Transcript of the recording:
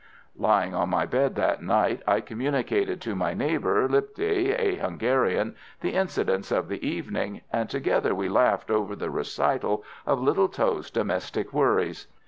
Lying on my bed that night I communicated to my neighbour, Lipthay, a Hungarian, the incidents of the evening, and together we laughed over the recital of little Tho's domestic worries.